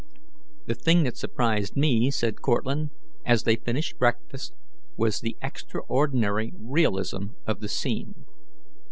"The thing that surprised me," said Cortlandt, as they finished breakfast, "was the extraordinary realism of the scene.